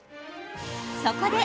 そこで！